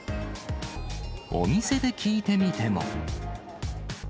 お店で聞いてみても。